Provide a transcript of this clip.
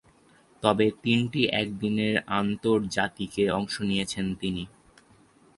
তবে, তিনটি একদিনের আন্তর্জাতিকে অংশ নিয়েছেন তিনি।